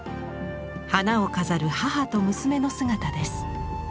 花を飾る母と娘の姿です。